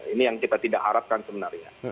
ini yang kita tidak harapkan sebenarnya